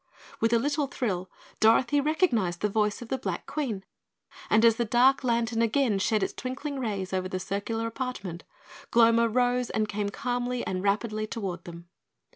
With a little thrill, Dorothy recognized the voice of the Black Queen, and as the dark lantern again shed its twinkling rays over the circular apartment, Gloma rose and came calmly and rapidly toward them.